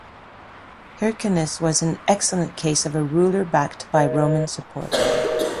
Hyrcanus was an excellent case of a ruler backed by Roman support.